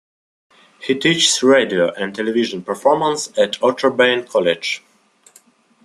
He teaches radio and television performance at Otterbein College.